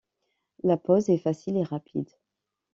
la pause est facile et rapide